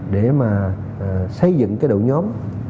để mà xây dựng cái độ nhóm